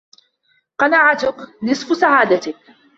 قناعتك.. نصف سعادتك.